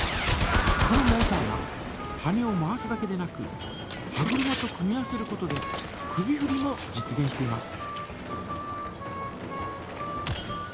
このモータは羽根を回すだけでなく歯車と組み合わせることで首ふりも実げんしています。